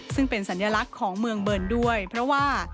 ซึ่งเป็นสัญลักษณ์ของเมืองเบิร์นด้วยเพราะว่า